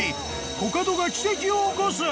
コカドが奇跡を起こす］